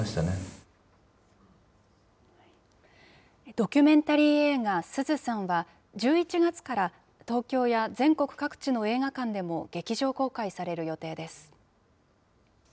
ドキュメンタリー映画、スズさんは、１１月から東京や全国各地の映画館でも劇場公開される予定です。